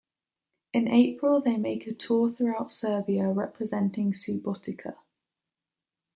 In April they make a tour throughout Serbia representing Subotica.